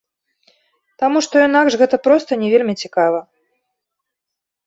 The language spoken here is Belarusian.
Таму што інакш гэта проста не вельмі цікава.